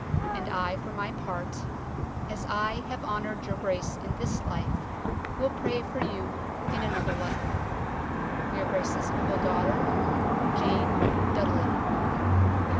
And I for my parte, as I have honoured your grace in this life, wyll praye for you in another life. " Your Gracys humble daughter, " JANE DUDDELEY."